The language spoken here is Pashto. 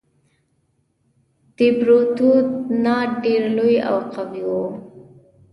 ديپروتودونان ډېر لوی او قوي وو.